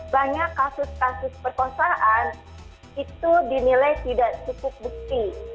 banyak kasus kasus perkosaan itu dinilai tidak cukup bukti